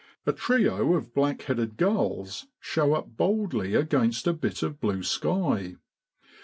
A trio of black headed gulls show up boldly against a bit of blue sky.